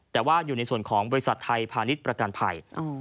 แต่ว่าอยู่ในส่วนของบริษัทไทยพาณิชย์ประกันภัย